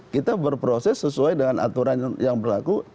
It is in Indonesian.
kita berproses sesuai dengan aturan yang berlaku